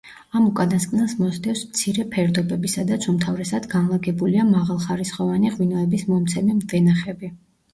ამ უკანასკნელს მოსდევს მცირე ფერდობები, სადაც უმთავრესად განლაგებულია მაღალხარისხოვანი ღვინოების მომცემი ვენახები.